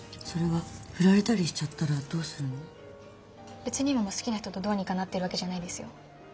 別に今も好きな人とどうにかなってるわけじゃないですよ。